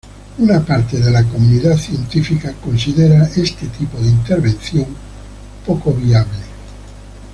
Una parte de la comunidad científica considera este tipo de intervención poco viable.